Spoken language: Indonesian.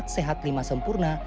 empat sehat lima sempurna